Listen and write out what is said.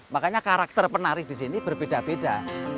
makanya karakter penari di sini berbeda beda